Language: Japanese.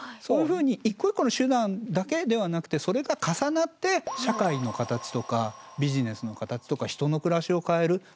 そういうふうに一個一個の手段だけではなくてそれが重なって社会の形とかビジネスの形とか人の暮らしを変える。